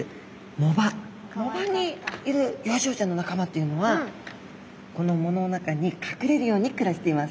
藻場にいるヨウジウオちゃんの仲間っていうのはこの藻の中に隠れるように暮らしています。